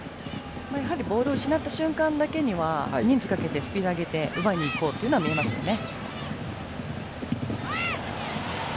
ボールを失った瞬間だけ人数をかけて前線を上げて奪いにいこうというのは見えますよね。